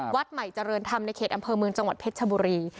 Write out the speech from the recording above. วัดใหม่เจริญธรรมในเขตอำเภอเมืองจังหวัดเพชรชบุรี